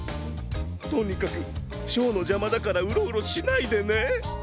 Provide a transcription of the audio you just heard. とにかくショーのじゃまだからウロウロしないでね！